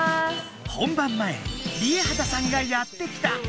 本番前ＲＩＥＨＡＴＡさんがやってきた。